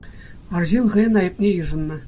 Арҫын хӑйӗн айӑпне йышӑннӑ.